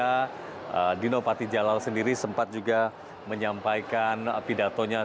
karena dino pati jalal sendiri sempat juga menyampaikan